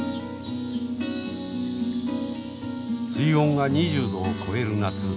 水温が２０度を超える夏